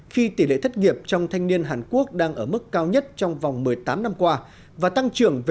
khi tỷ lệ thất nghiệp trong thanh niên hàn quốc đang ở mức cao nhất trong vòng một mươi tám năm qua và tăng trưởng ba